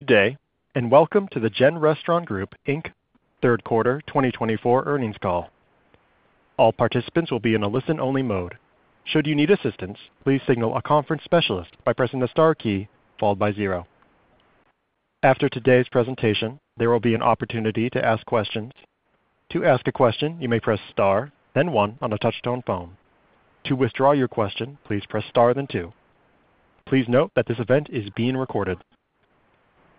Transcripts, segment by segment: Good day, and welcome to the GEN Restaurant Group, Inc, third quarter 2024 earnings call. All participants will be in a listen-only mode. Should you need assistance, please signal a conference specialist by pressing the star key followed by zero. After today's presentation, there will be an opportunity to ask questions. To ask a question, you may press star, then one on a touch-tone phone. To withdraw your question, please press star, then two. Please note that this event is being recorded.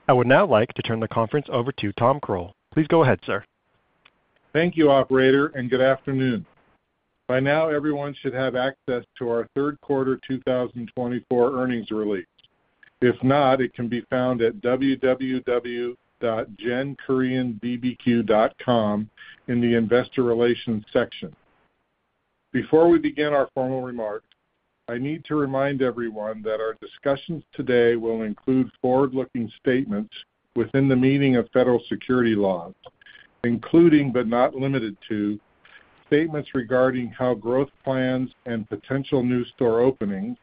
I would now like to turn the conference over to Tom Croal. Please go ahead, sir. Thank you, Operator, and good afternoon. By now, everyone should have access to our third quarter 2024 earnings release. If not, it can be found at www.genkoreanbbq.com in the Investor Relations section. Before we begin our formal remarks, I need to remind everyone that our discussions today will include forward-looking statements within the meaning of federal securities laws, including but not limited to statements regarding our growth plans and potential new store openings,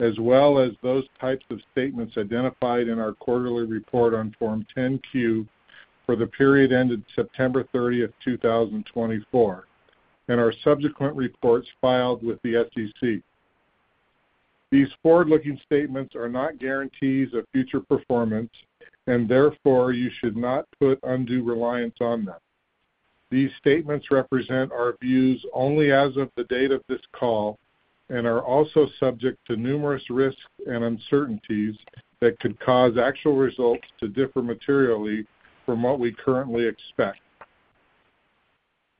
as well as those types of statements identified in our quarterly report on Form 10-Q for the period ended September 30, 2024, and our subsequent reports filed with the SEC. These forward-looking statements are not guarantees of future performance, and therefore you should not put undue reliance on them. These statements represent our views only as of the date of this call and are also subject to numerous risks and uncertainties that could cause actual results to differ materially from what we currently expect.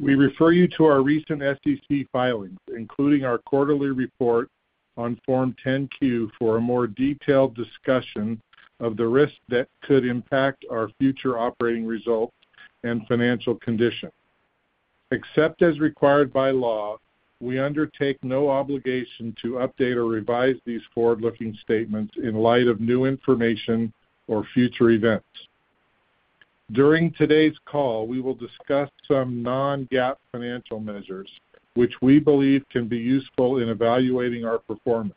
We refer you to our recent SEC filings, including our quarterly report on Form 10-Q, for a more detailed discussion of the risks that could impact our future operating results and financial condition. Except as required by law, we undertake no obligation to update or revise these forward-looking statements in light of new information or future events. During today's call, we will discuss some non-GAAP financial measures, which we believe can be useful in evaluating our performance.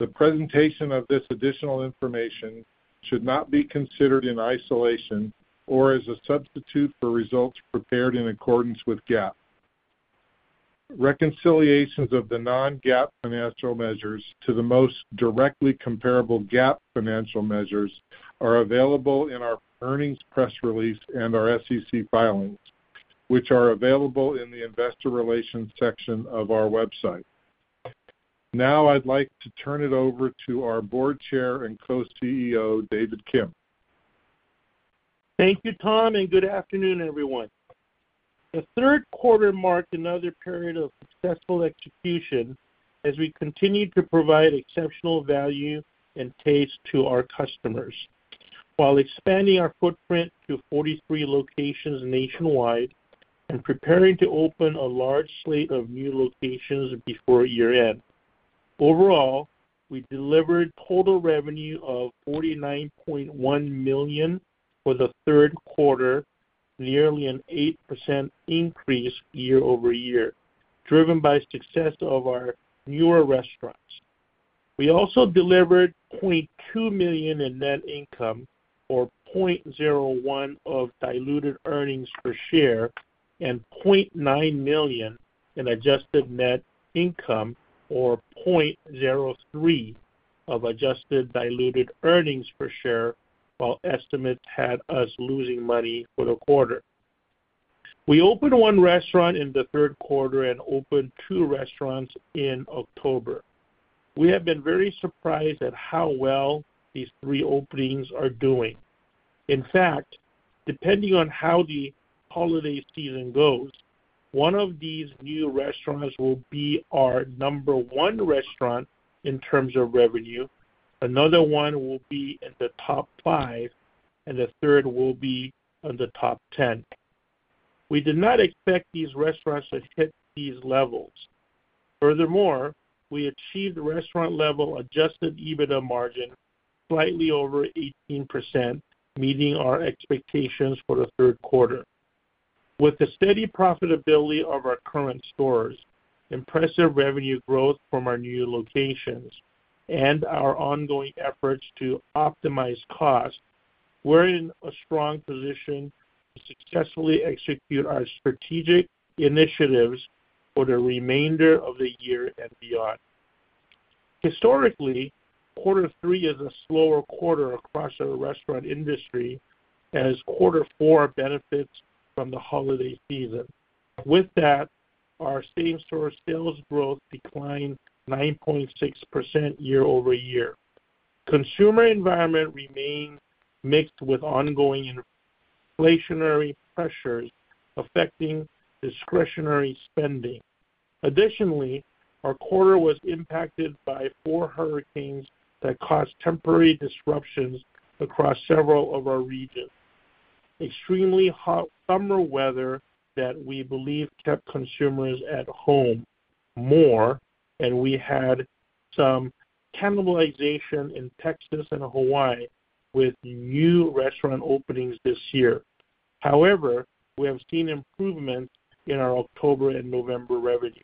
The presentation of this additional information should not be considered in isolation or as a substitute for results prepared in accordance with GAAP. Reconciliations of the non-GAAP financial measures to the most directly comparable GAAP financial measures are available in our earnings press release and our SEC filings, which are available in the investor relations section of our website. Now I'd like to turn it over to our Board Chair and Co-CEO, David Kim. Thank you, Tom, and good afternoon, everyone. The third quarter marked another period of successful execution as we continue to provide exceptional value and taste to our customers while expanding our footprint to 43 locations nationwide and preparing to open a large slate of new locations before year-end. Overall, we delivered total revenue of $49.1 million for the third quarter, nearly an 8% increase year-over-year, driven by success of our newer restaurants. We also delivered $0.2 million in net income or $0.01 of diluted earnings per share and $0.9 million in adjusted net income or $0.03 of adjusted diluted earnings per share, while estimates had us losing money for the quarter. We opened one restaurant in the third quarter and opened two restaurants in October. We have been very surprised at how well these three openings are doing. In fact, depending on how the holiday season goes, one of these new restaurants will be our number one restaurant in terms of revenue. Another one will be in the top five, and the third will be in the top 10. We did not expect these restaurants to hit these levels. Furthermore, we achieved restaurant-level adjusted EBITDA margin slightly over 18%, meeting our expectations for the third quarter. With the steady profitability of our current stores, impressive revenue growth from our new locations, and our ongoing efforts to optimize costs, we're in a strong position to successfully execute our strategic initiatives for the remainder of the year and beyond. Historically, quarter three is a slower quarter across our restaurant industry, as quarter four benefits from the holiday season. With that, our same-store sales growth declined 9.6% year-over-year. The consumer environment remains mixed with ongoing inflationary pressures affecting discretionary spending. Additionally, our quarter was impacted by four hurricanes that caused temporary disruptions across several of our regions. Extremely hot summer weather that we believe kept consumers at home more, and we had some cannibalization in Texas and Hawaii with new restaurant openings this year. However, we have seen improvements in our October and November revenue.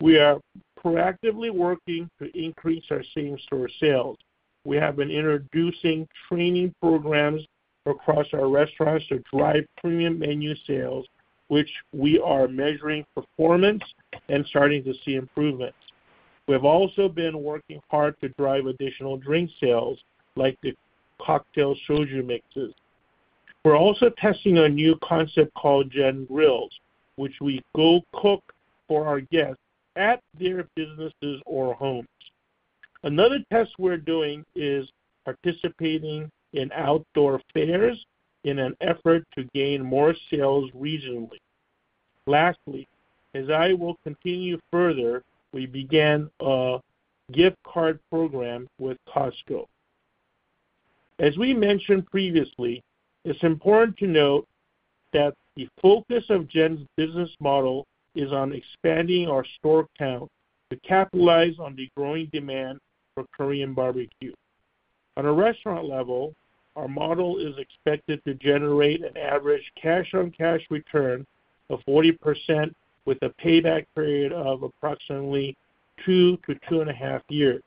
We are proactively working to increase our same-store sales. We have been introducing training programs across our restaurants to drive premium menu sales, which we are measuring performance and starting to see improvements. We have also been working hard to drive additional drink sales, like the cocktail soju mixes. We're also testing a new concept called GEN Grills, which we go cook for our guests at their businesses or homes. Another test we're doing is participating in outdoor fairs in an effort to gain more sales regionally. Lastly, as I will continue further, we began a gift card program with Costco. As we mentioned previously, it's important to note that the focus of GEN's business model is on expanding our store count to capitalize on the growing demand for Korean barbecue. On a restaurant level, our model is expected to generate an average cash-on-cash return of 40% with a payback period of approximately 2 years-2.5 years.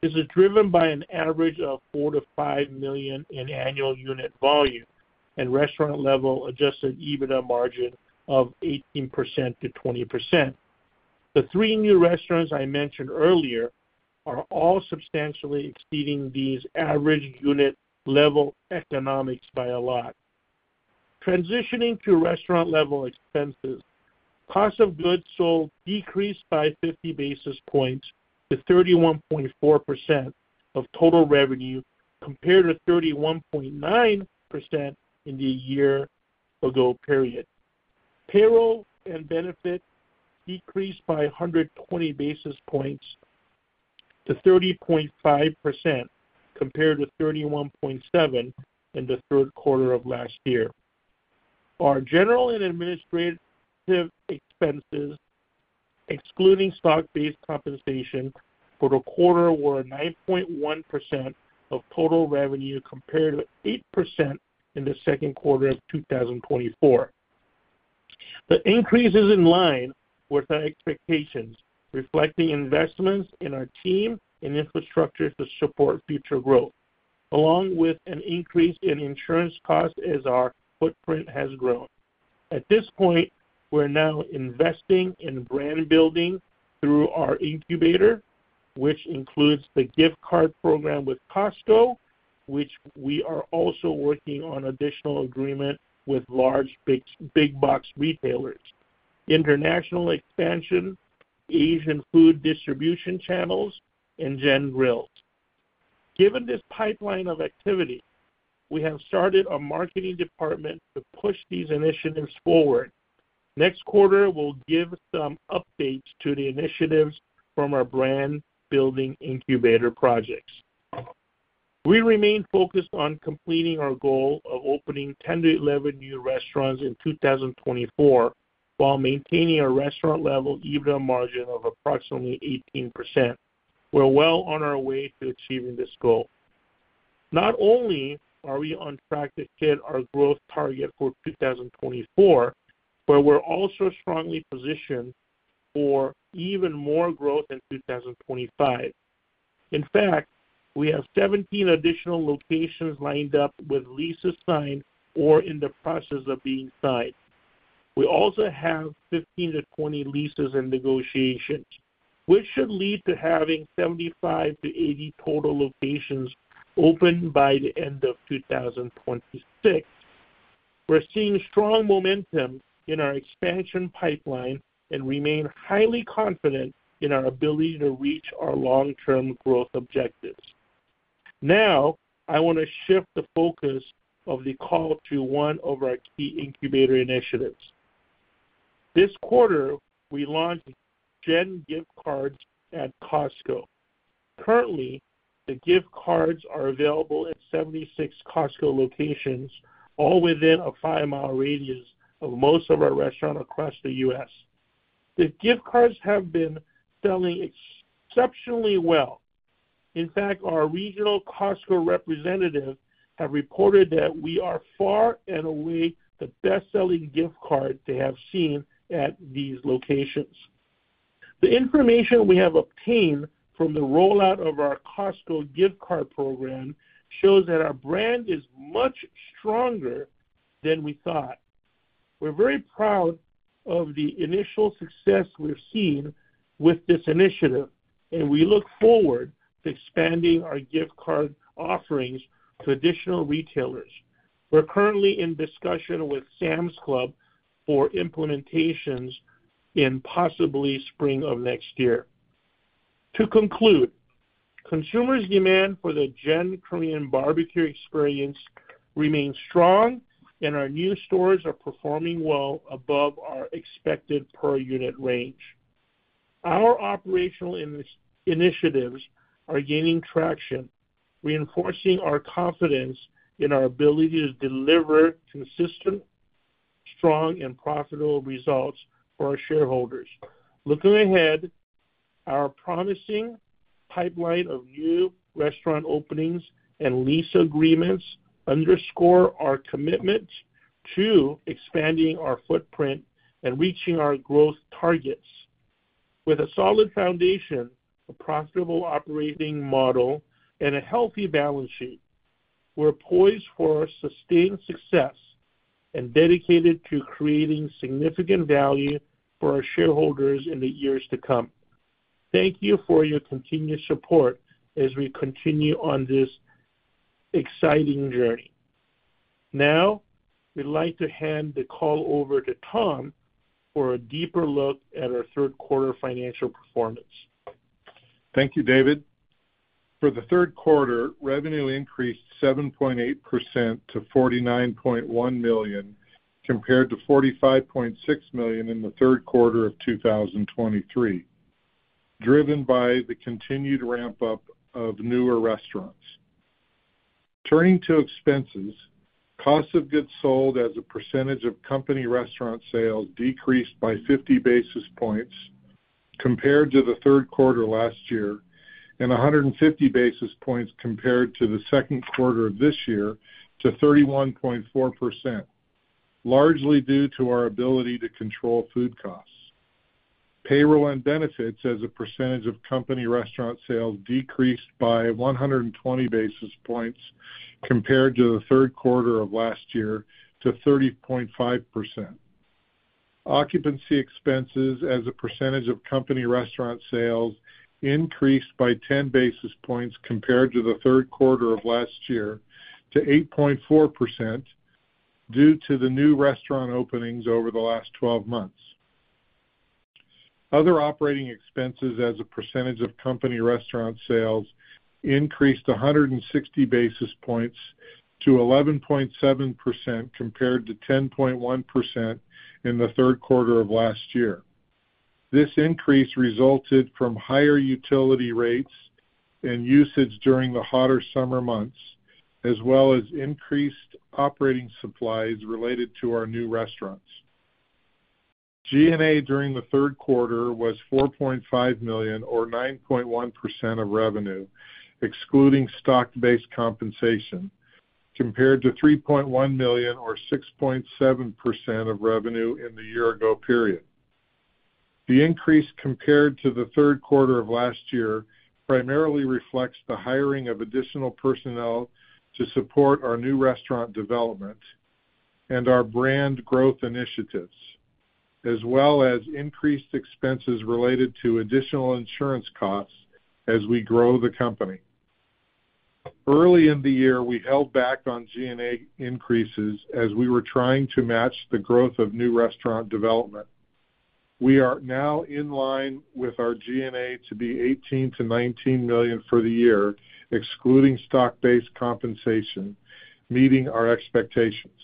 This is driven by an average of $4 million-$5 million in annual unit volume and restaurant-level adjusted EBITDA margin of 18%-20%. The three new restaurants I mentioned earlier are all substantially exceeding these average unit-level economics by a lot. Transitioning to restaurant-level expenses, cost of goods sold decreased by 50 basis points to 31.4% of total revenue compared to 31.9% in the year-ago period. Payroll and benefits decreased by 120 basis points to 30.5% compared to 31.7% in the third quarter of last year. Our general and administrative expenses, excluding stock-based compensation, for the quarter were 9.1% of total revenue compared to 8% in the second quarter of 2024. The increase is in line with our expectations, reflecting investments in our team and infrastructure to support future growth, along with an increase in insurance costs as our footprint has grown. At this point, we're now investing in brand building through our incubator, which includes the gift card program with Costco, which we are also working on additional agreements with large big-box retailers, international expansion, Asian food distribution channels, and GEN Grills. Given this pipeline of activity, we have started a marketing department to push these initiatives forward. Next quarter, we'll give some updates to the initiatives from our brand-building incubator projects. We remain focused on completing our goal of opening 10-11 new restaurants in 2024 while maintaining our restaurant-level EBITDA margin of approximately 18%. We're well on our way to achieving this goal. Not only are we on track to hit our growth target for 2024, but we're also strongly positioned for even more growth in 2025. In fact, we have 17 additional locations lined up with leases signed or in the process of being signed. We also have 15-20 leases in negotiation, which should lead to having 75-80 total locations open by the end of 2026. We're seeing strong momentum in our expansion pipeline and remain highly confident in our ability to reach our long-term growth objectives. Now, I want to shift the focus of the call to one of our key Incubator initiatives. This quarter, we launched GEN gift cards at Costco. Currently, the gift cards are available at 76 Costco locations, all within a 5-mi radius of most of our restaurants across the U.S. The gift cards have been selling exceptionally well. In fact, our regional Costco representatives have reported that we are far and away the best-selling gift card they have seen at these locations. The information we have obtained from the rollout of our Costco gift card program shows that our brand is much stronger than we thought. We're very proud of the initial success we've seen with this initiative, and we look forward to expanding our gift card offerings to additional retailers. We're currently in discussion with Sam's Club for implementations in possibly spring of next year. To conclude, consumers' demand for the GEN Korean BBQ experience remains strong, and our new stores are performing well above our expected per-unit range. Our operational initiatives are gaining traction, reinforcing our confidence in our ability to deliver consistent, strong, and profitable results for our shareholders. Looking ahead, our promising pipeline of new restaurant openings and lease agreements underscore our commitment to expanding our footprint and reaching our growth targets. With a solid foundation, a profitable operating model, and a healthy balance sheet, we're poised for sustained success and dedicated to creating significant value for our shareholders in the years to come. Thank you for your continued support as we continue on this exciting journey. Now, we'd like to hand the call over to Tom for a deeper look at our third-quarter financial performance. Thank you, David. For the third quarter, revenue increased 7.8% to $49.1 million compared to $45.6 million in the third quarter of 2023, driven by the continued ramp-up of newer restaurants. Turning to expenses, cost of goods sold as a percentage of company restaurant sales decreased by 50 basis points compared to the third quarter last year and 150 basis points compared to the second quarter of this year to 31.4%, largely due to our ability to control food costs. Payroll and benefits as a percentage of company restaurant sales decreased by 120 basis points compared to the third quarter of last year to 30.5%. Occupancy expenses as a percentage of company restaurant sales increased by 10 basis points compared to the third quarter of last year to 8.4% due to the new restaurant openings over the last 12 months. Other operating expenses as a percentage of company restaurant sales increased 160 basis points to 11.7% compared to 10.1% in the third quarter of last year. This increase resulted from higher utility rates and usage during the hotter summer months, as well as increased operating supplies related to our new restaurants. G&A during the third quarter was $4.5 million, or 9.1% of revenue, excluding stock-based compensation, compared to $3.1 million, or 6.7% of revenue in the year-ago period. The increase compared to the third quarter of last year primarily reflects the hiring of additional personnel to support our new restaurant development and our brand growth initiatives, as well as increased expenses related to additional insurance costs as we grow the company. Early in the year, we held back on G&A increases as we were trying to match the growth of new restaurant development. We are now in line with our G&A to be $18 million-$19 million for the year, excluding stock-based compensation, meeting our expectations.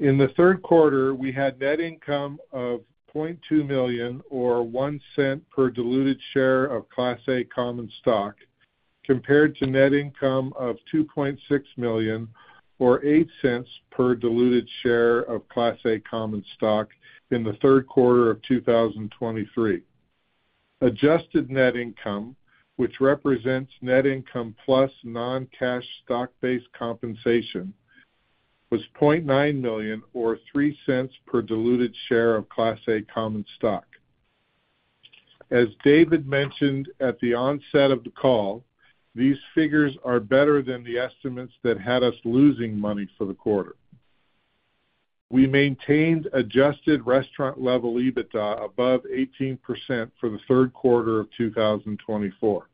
In the third quarter, we had net income of $0.2 million, or $0.01 per diluted share of Class A common stock, compared to net income of $2.6 million, or $0.08 per diluted share of Class A common stock in the third quarter of 2023. Adjusted net income, which represents net income plus non-cash stock-based compensation, was $0.9 million, or $0.03 per diluted share of Class A common stock. As David mentioned at the onset of the call, these figures are better than the estimates that had us losing money for the quarter. We maintained adjusted restaurant-level EBITDA above 18% for the third quarter of 2024.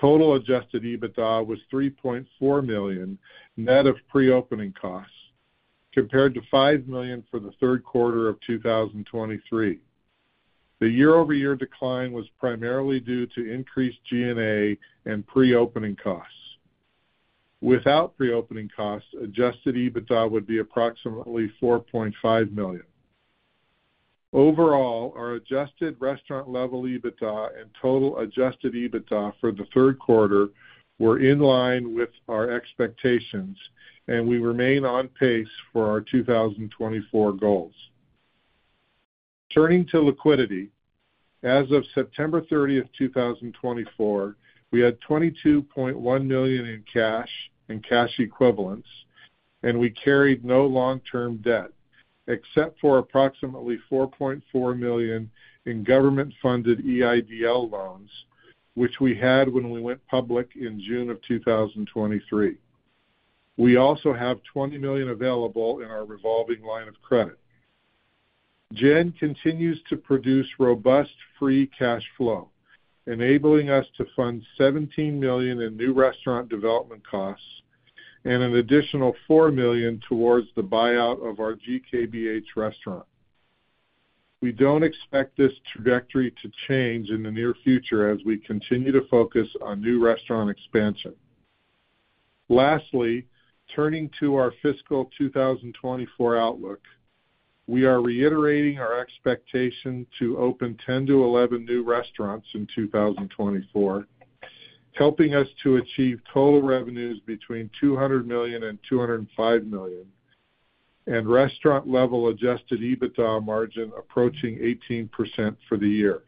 Total adjusted EBITDA was $3.4 million net of pre-opening costs, compared to $5 million for the third quarter of 2023. The year-over-year decline was primarily due to increased G&A and pre-opening costs. Without pre-opening costs, adjusted EBITDA would be approximately $4.5 million. Overall, our adjusted restaurant-level EBITDA and total adjusted EBITDA for the third quarter were in line with our expectations, and we remain on pace for our 2024 goals. Turning to liquidity, as of September 30, 2024, we had $22.1 million in cash and cash equivalents, and we carried no long-term debt, except for approximately $4.4 million in government-funded EIDL loans, which we had when we went public in June of 2023. We also have $20 million available in our revolving line of credit. GEN continues to produce robust free cash flow, enabling us to fund $17 million in new restaurant development costs and an additional $4 million towards the buyout of our GKBH restaurant. We don't expect this trajectory to change in the near future as we continue to focus on new restaurant expansion. Lastly, turning to our fiscal 2024 outlook, we are reiterating our expectation to open 10 to 11 new restaurants in 2024, helping us to achieve total revenues between $200 million and $205 million, and restaurant-level adjusted EBITDA margin approaching 18% for the year.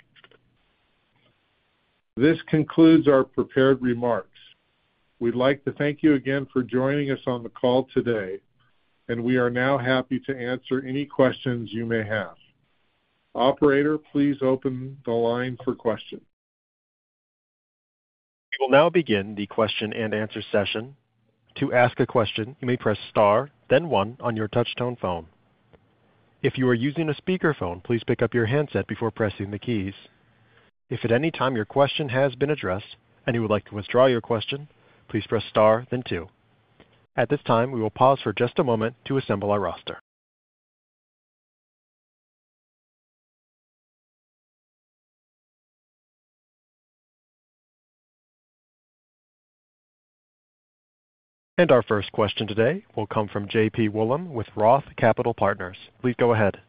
This concludes our prepared remarks. We'd like to thank you again for joining us on the call today, and we are now happy to answer any questions you may have. Operator, please open the line for questions. We will now begin the question and answer session. To ask a question, you may press star, then one on your touch-tone phone. If you are using a speakerphone, please pick up your handset before pressing the keys. If at any time your question has been addressed and you would like to withdraw your question, please press star, then two. At this time, we will pause for just a moment to assemble our roster. And our first question today will come from JP Wollam with Roth Capital Partners. Please go ahead.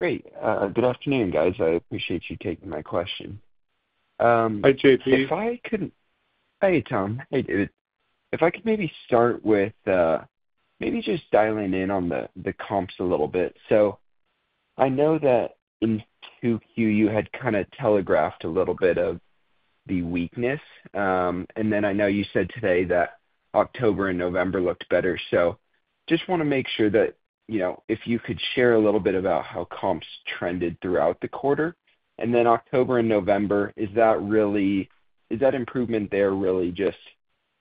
Great. Good afternoon, guys. I appreciate you taking my question. Hi, JP. If I could - hey, Tom. Hey, David. If I could maybe start with maybe just dialing in on the comps a little bit. So I know that in 2Q, you had kind of telegraphed a little bit of the weakness. And then I know you said today that October and November looked better. So just want to make sure that if you could share a little bit about how comps trended throughout the quarter? And then October and November, is that improvement there really just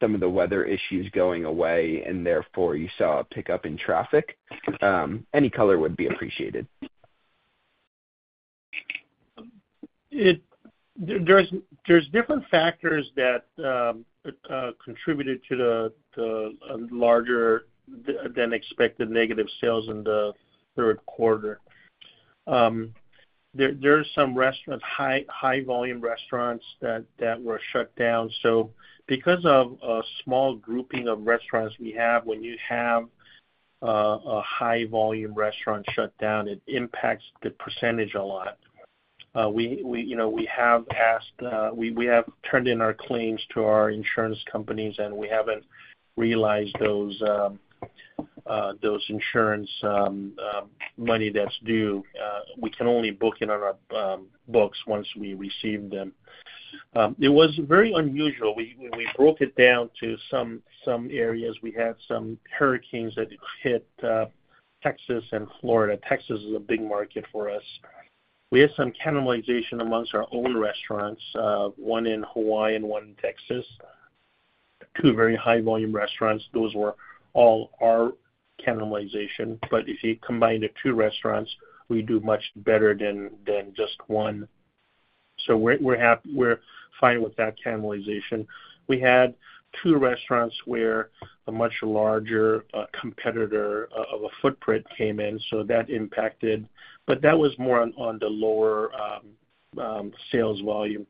some of the weather issues going away, and therefore you saw a pickup in traffic? Any color would be appreciated. There's different factors that contributed to the larger-than-expected negative sales in the third quarter. There are some high-volume restaurants that were shut down. So because of a small grouping of restaurants we have, when you have a high-volume restaurant shut down, it impacts the percentage a lot. We have turned in our claims to our insurance companies, and we haven't realized those insurance money that's due. We can only book it on our books once we receive them. It was very unusual. We broke it down to some areas. We had some hurricanes that hit Texas and Florida. Texas is a big market for us. We had some cannibalization amongst our own restaurants, one in Hawaii and one in Texas. Two very high-volume restaurants. Those were all our cannibalization. But if you combine the two restaurants, we do much better than just one. We're fine with that cannibalization. We had two restaurants where a much larger competitor of a footprint came in, so that impacted. That was more on the lower sales volume.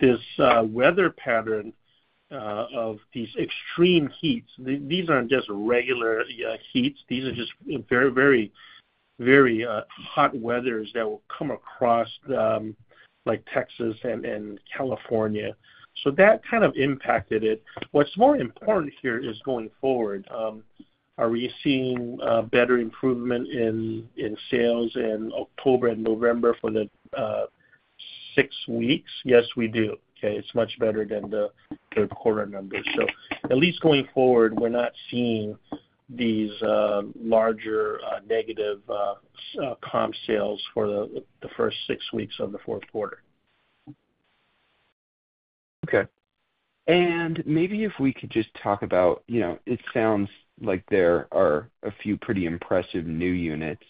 This weather pattern of these extreme heats, these aren't just regular heats. These are just very, very, very hot weathers that will come across like Texas and California. That kind of impacted it. What's more important here is going forward, are we seeing better improvement in sales in October and November for the six weeks? Yes, we do. Okay. It's much better than the third-quarter numbers. At least going forward, we're not seeing these larger negative comp sales for the first six weeks of the fourth quarter. Okay. And maybe if we could just talk about— it sounds like there are a few pretty impressive new units.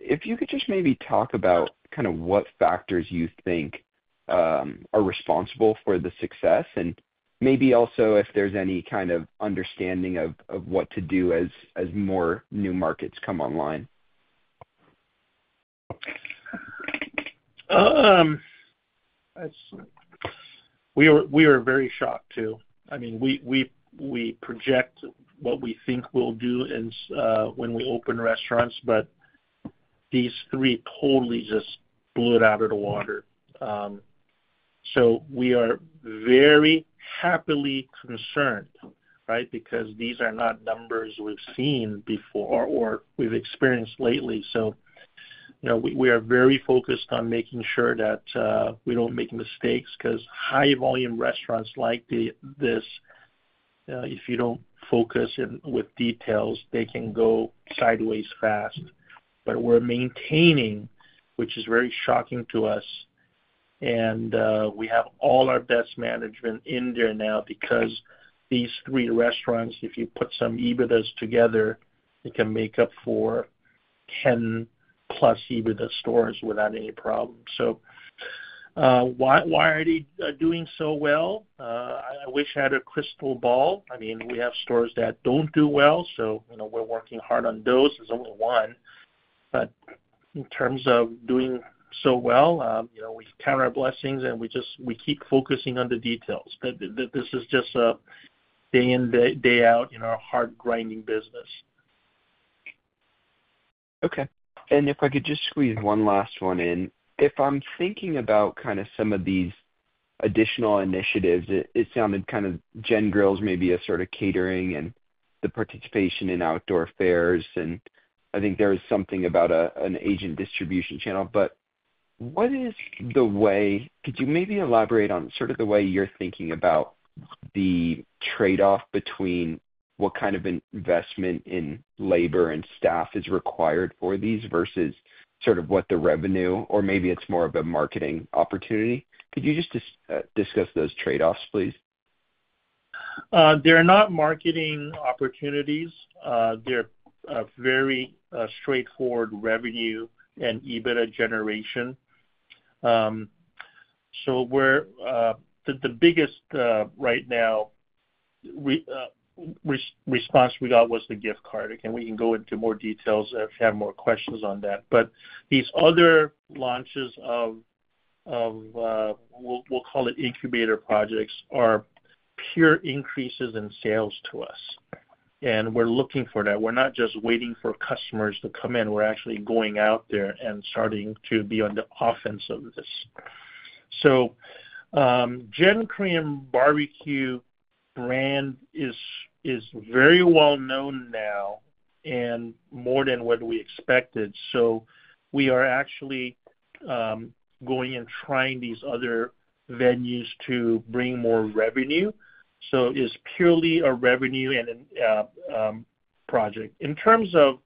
If you could just maybe talk about kind of what factors you think are responsible for the success, and maybe also if there's any kind of understanding of what to do as more new markets come online. We were very shocked, too. I mean, we project what we think we'll do when we open restaurants, but these three totally just blew it out of the water. So we are very happily concerned, right, because these are not numbers we've seen before or we've experienced lately. So we are very focused on making sure that we don't make mistakes because high-volume restaurants like this, if you don't focus with details, they can go sideways fast. But we're maintaining, which is very shocking to us. And we have all our best management in there now because these three restaurants, if you put some EBITDAs together, it can make up for 10+ EBITDA stores without any problem. So why are they doing so well? I wish I had a crystal ball. I mean, we have stores that don't do well, so we're working hard on those. There's only one. But in terms of doing so well, we count our blessings and we keep focusing on the details. This is just a day in, day out in our hard-grinding business. Okay. And if I could just squeeze one last one in. If I'm thinking about kind of some of these additional initiatives, it sounded kind of GEN Grills maybe a sort of catering and the participation in outdoor fairs. And I think there is something about an adjacent distribution channel. But what is the way? Could you maybe elaborate on sort of the way you're thinking about the trade-off between what kind of investment in labor and staff is required for these versus sort of what the revenue, or maybe it's more of a marketing opportunity? Could you just discuss those trade-offs, please? They're not marketing opportunities. They're very straightforward revenue and EBITDA generation. So the biggest right now response we got was the gift card. Again, we can go into more details if you have more questions on that. But these other launches of, we'll call it incubator projects, are pure increases in sales to us. And we're looking for that. We're not just waiting for customers to come in. We're actually going out there and starting to be on the offense of this. So GEN Korean BBQ brand is very well known now and more than what we expected. So we are actually going and trying these other venues to bring more revenue. So it's purely a revenue project. In terms of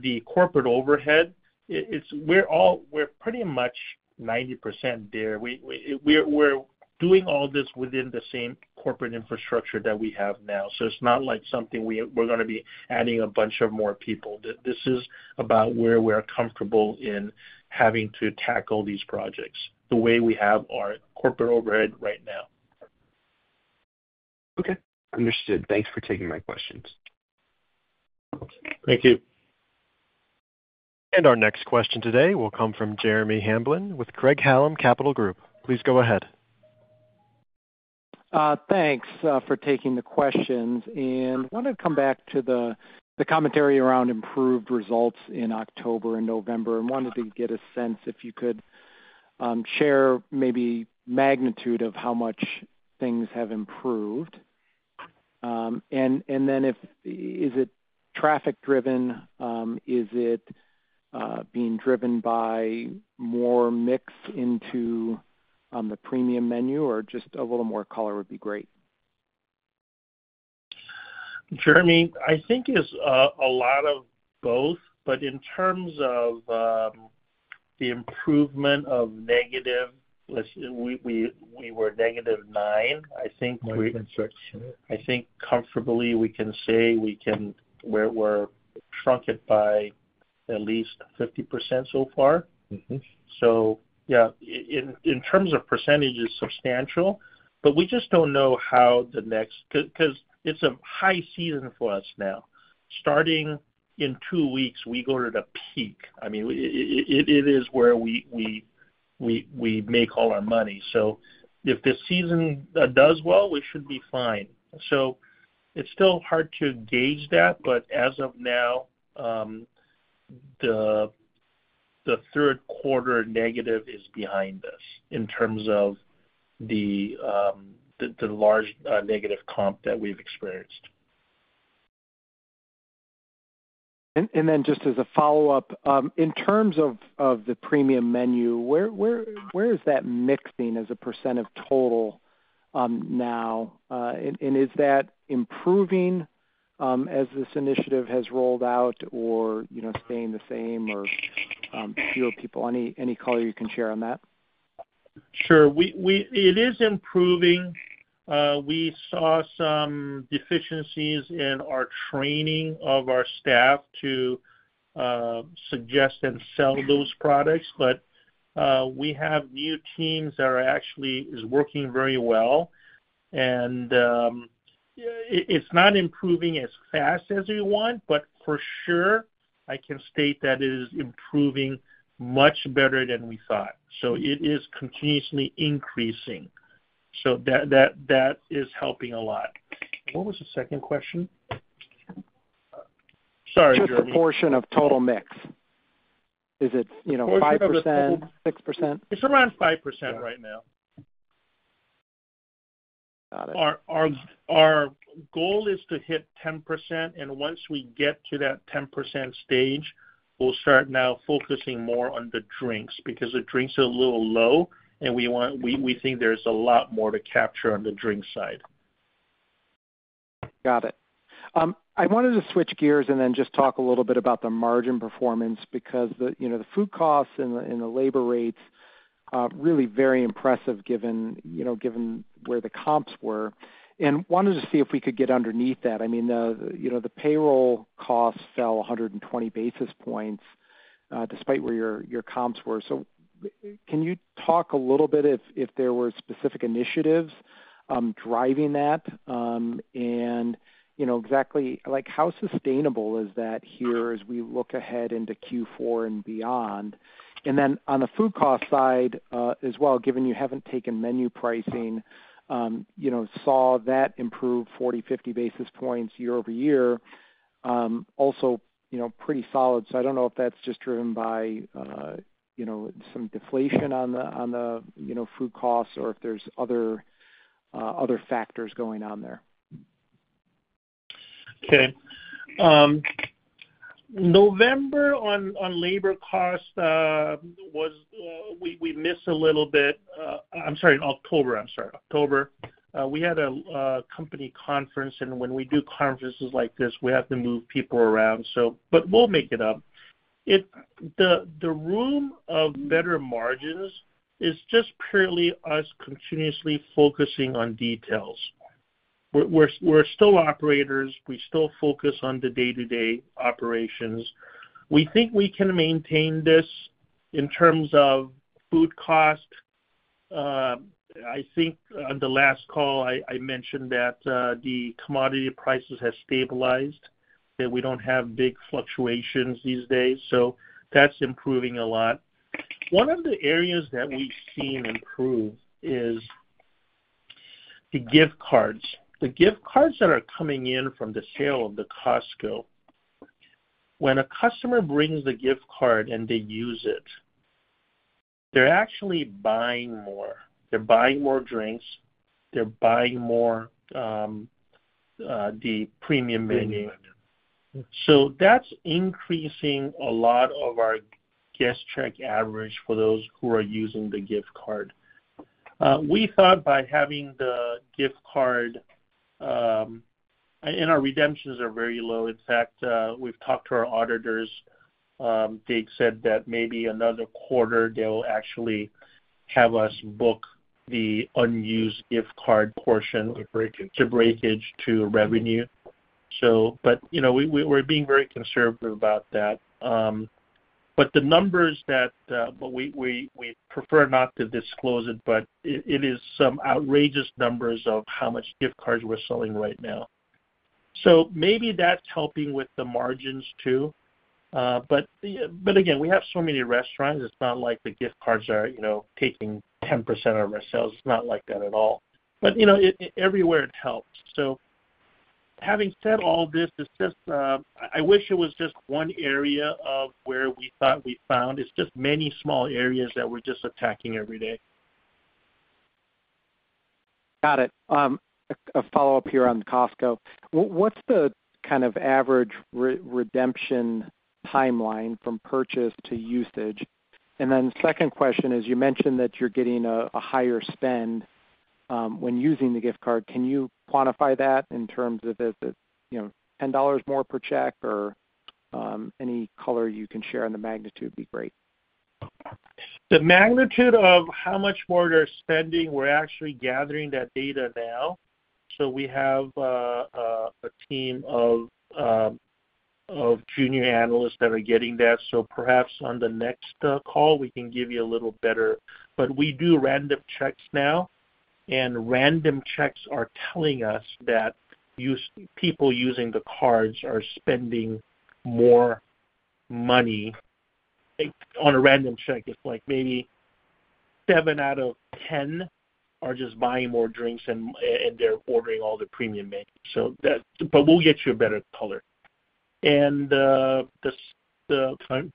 the corporate overhead, we're pretty much 90% there. We're doing all this within the same corporate infrastructure that we have now. So it's not like something we're going to be adding a bunch of more people. This is about where we're comfortable in having to tackle these projects the way we have our corporate overhead right now. Okay. Understood. Thanks for taking my questions. Thank you. And our next question today will come from Jeremy Hamblin with Craig-Hallum Capital Group. Please go ahead. Thanks for taking the questions. I want to come back to the commentary around improved results in October and November and wanted to get a sense if you could share maybe magnitude of how much things have improved. Is it traffic-driven? Is it being driven by more mix into the premium menu, or just a little more color would be great? Jeremy, I think it's a lot of both. But in terms of the improvement of negative, we were -9. I think comfortably we can say we're shrunken by at least 50% so far. So yeah, in terms of percentage, it's substantial. But we just don't know how the next because it's a high season for us now. Starting in two weeks, we go to the peak. I mean, it is where we make all our money. So if the season does well, we should be fine. So it's still hard to gauge that. But as of now, the third quarter negative is behind us in terms of the large negative comp that we've experienced. Just as a follow-up, in terms of the premium menu, where is that mixing as a % of total now? And is that improving as this initiative has rolled out or staying the same or fewer people? Any color you can share on that? Sure. It is improving. We saw some deficiencies in our training of our staff to suggest and sell those products, but we have new teams that are actually working very well, and it's not improving as fast as we want, but for sure, I can state that it is improving much better than we thought, so it is continuously increasing, so that is helping a lot. What was the second question? Sorry, Jeremy. Proportion of total mix. Is it 5%, 6%? It's around 5% right now. Our goal is to hit 10%. And once we get to that 10% stage, we'll start now focusing more on the drinks because the drinks are a little low, and we think there's a lot more to capture on the drink side. Got it. I wanted to switch gears and then just talk a little bit about the margin performance because the food costs and the labor rates are really very impressive given where the comps were, and wanted to see if we could get underneath that. I mean, the payroll costs fell 120 basis points despite where your comps were, so can you talk a little bit if there were specific initiatives driving that, and exactly how sustainable is that here as we look ahead into Q4 and beyond, and then on the food cost side as well, given you haven't taken menu pricing, saw that improve 40, 50 basis points year-over-year, also pretty solid, so I don't know if that's just driven by some deflation on the food costs or if there's other factors going on there Okay. November on labor costs, we missed a little bit. I'm sorry, October. I'm sorry, October. We had a company conference, and when we do conferences like this, we have to move people around, but we'll make it up. The room of better margins is just purely us continuously focusing on details. We're still operators. We still focus on the day-to-day operations. We think we can maintain this in terms of food cost. I think on the last call, I mentioned that the commodity prices have stabilized, that we don't have big fluctuations these days, so that's improving a lot. One of the areas that we've seen improve is the gift cards. The gift cards that are coming in from the sale of the Costco, when a customer brings the gift card and they use it, they're actually buying more. They're buying more drinks. They're buying more the premium menu. So that's increasing a lot of our guest check average for those who are using the gift card. We thought by having the gift card and our redemptions are very low. In fact, we've talked to our auditors. They said that maybe another quarter, they'll actually have us book the unused gift card portion to breakage to revenue. But we're being very conservative about that. But the numbers that we prefer not to disclose it, but it is some outrageous numbers of how much gift cards we're selling right now. So maybe that's helping with the margins too. But again, we have so many restaurants. It's not like the gift cards are taking 10% of our sales. It's not like that at all. But everywhere it helps. So having said all this, I wish it was just one area of where we thought we found. It's just many small areas that we're just attacking every day. Got it. A follow-up here on Costco. What's the kind of average redemption timeline from purchase to usage? And then second question is you mentioned that you're getting a higher spend when using the gift card. Can you quantify that in terms of is it $10 more per check or any color you can share on the magnitude would be great? The magnitude of how much more they're spending, we're actually gathering that data now. So we have a team of junior analysts that are getting that. So perhaps on the next call, we can give you a little better. But we do random checks now. And random checks are telling us that people using the cards are spending more money on a random check. It's like maybe 7 out of 10 are just buying more drinks and they're ordering all the premium menu. But we'll get you a better color. And the—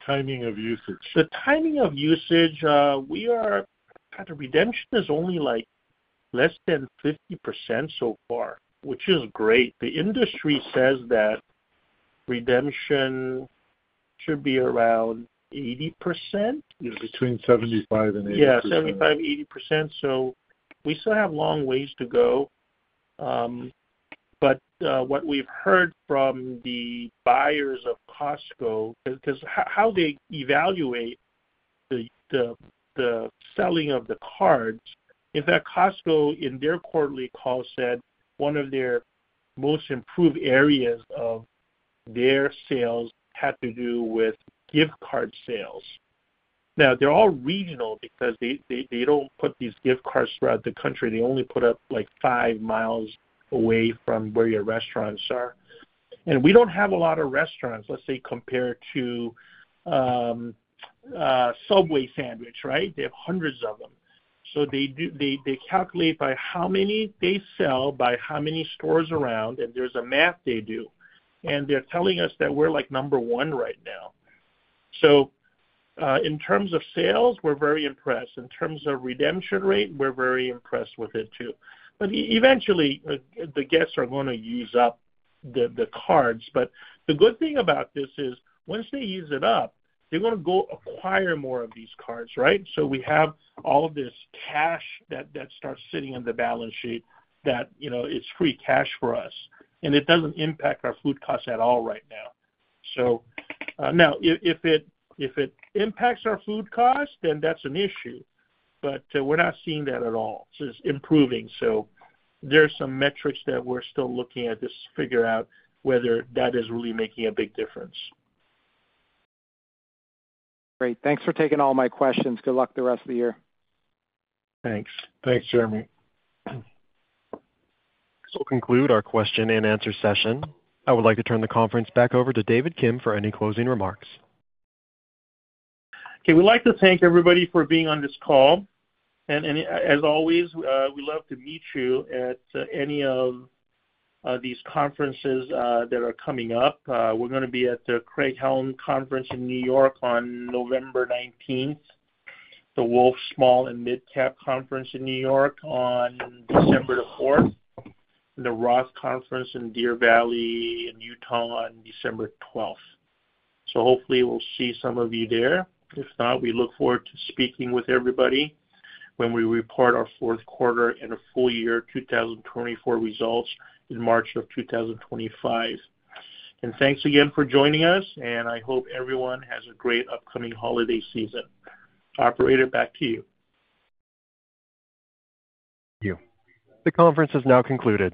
Timing of usage. The timing of usage, we are kind of redemption is only less than 50% so far, which is great. The industry says that redemption should be around 80%? Between 75 and 80%. Yeah, 75%, 80%. So we still have long ways to go. But what we've heard from the buyers of Costco because how they evaluate the selling of the cards, in fact, Costco in their quarterly call said one of their most improved areas of their sales had to do with gift card sales. Now, they're all regional because they don't put these gift cards throughout the country. They only put up 5 mi away from where your restaurants are. And we don't have a lot of restaurants, let's say, compared to Subway sandwich, right? They have hundreds of them. So they calculate by how many they sell by how many stores around. And there's a math they do. And they're telling us that we're number one right now. So in terms of sales, we're very impressed. In terms of redemption rate, we're very impressed with it too. But eventually, the guests are going to use up the cards. But the good thing about this is once they use it up, they're going to go acquire more of these cards, right? So we have all this cash that starts sitting in the balance sheet that it's free cash for us. And it doesn't impact our food costs at all right now. So now, if it impacts our food costs, then that's an issue. But we're not seeing that at all. It's improving. So there's some metrics that we're still looking at to figure out whether that is really making a big difference. Great. Thanks for taking all my questions. Good luck the rest of the year. Thanks.a Thanks, Jeremy. This will conclude our question and answer session. I would like to turn the conference back over to David Kim for any closing remarks. Okay. We'd like to thank everybody for being on this call. And as always, we love to meet you at any of these conferences that are coming up. We're going to be at the Craig-Hallum Conference in New York on November 19th, the Wolfe Small and Mid-Cap Conference in New York on December the 4th, and the Roth Conference in Deer Valley in Utah on December 12th. So hopefully, we'll see some of you there. If not, we look forward to speaking with everybody when we report our fourth quarter and a full year 2024 results in March of 2025. And thanks again for joining us. And I hope everyone has a great upcoming holiday season. Operator, back to you. Thank you. The conference is now concluded.